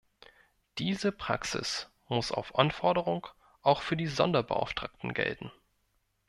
Diese Praxis muss auf Anforderung auch für die Sonderbeauftragten gelten.